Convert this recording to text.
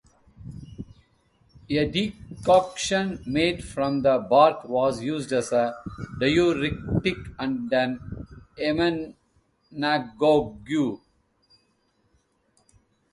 A decoction made from the bark was used as a diuretic and an emmenagogue.